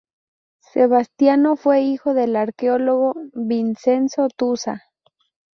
Sebastiano fue hijo del arqueólogo Vincenzo Tusa.